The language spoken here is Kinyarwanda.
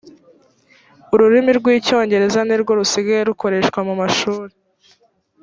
ururimi rw’ icyongereza nirwo rusigaye rukoreshwa mu mashuri